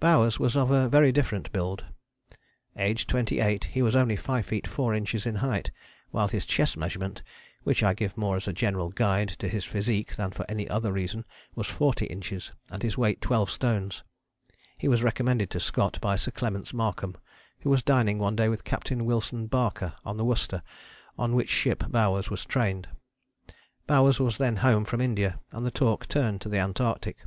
Bowers was of a very different build. Aged 28, he was only 5 feet 4 inches in height while his chest measurement (which I give more as a general guide to his physique than for any other reason) was 40 inches, and his weight 12 stones. He was recommended to Scott by Sir Clements Markham, who was dining one day with Captain Wilson Barker on the Worcester, on which ship Bowers was trained. Bowers was then home from India, and the talk turned to the Antarctic.